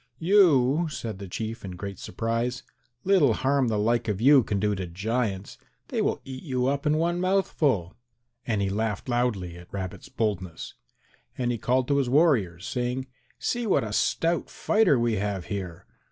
"You!" said the Chief in great surprise; "little harm the like of you can do to giants; they will eat you up in one mouthful," and he laughed loudly at Rabbit's boldness. And he called to his warriors saying, "See what a stout fighter we have here!